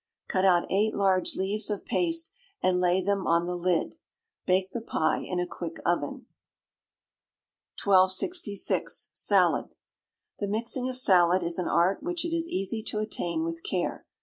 Cut out eight large leaves of paste, and lay them on the lid. Bake the pie in a quick oven. 1266. Salad. The mixing of salad is an art which it is easy to attain with care.